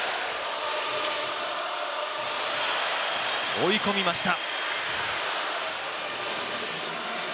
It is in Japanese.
追い込みました。